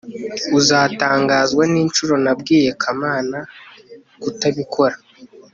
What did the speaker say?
uzatangazwa ninshuro nabwiye kamana kutabikora